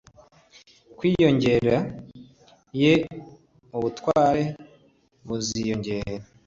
Kwiyongera ye ubutware buziyongera